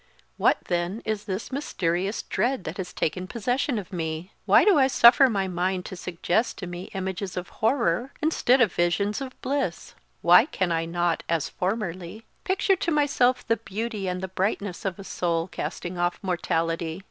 What, then, is this mysterious dread that has taken possession of me? Why do I suffer my mind to suggest to me images of horror, instead of visions of bliss? Why can I not, as formerly, picture to myself the beauty and the brightness of a soul casting off mortality?